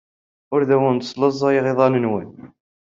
Ur awent-slaẓayeɣ iḍan-nwent.